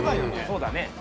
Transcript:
そうだね。